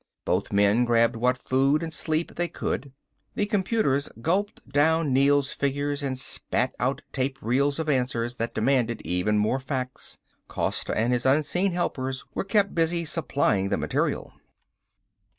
Both men grabbed what food and sleep they could. The computers gulped down Neel's figures and spat out tape reels of answers that demanded even more facts. Costa and his unseen helpers were kept busy supplying the material.